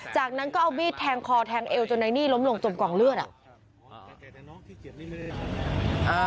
จากนั้นก็เอามีดแทงคอแทงเอวจนนายนี่ล้มลงจมกองเลือดอ่ะ